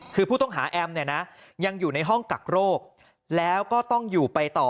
คือผู้ต้องหาแอมเนี่ยนะยังอยู่ในห้องกักโรคแล้วก็ต้องอยู่ไปต่อ